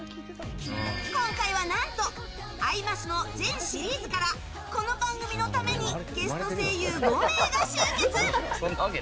今回は、何と「アイマス」の全シリーズからこの番組のためにゲスト声優５名が集結。